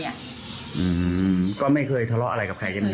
อืมก็ไม่เคยทะเลาะอะไรกับใครกันเลย